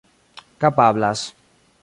kapablas